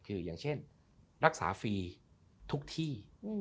คืออย่างเช่นรักษาฟรีทุกที่